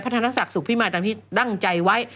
ธนศักดิ์สุขพิมายตามที่ดั้งใจไว้